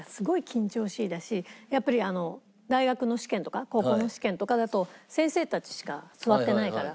やっぱり大学の試験とか高校の試験とかだと先生たちしか座ってないから。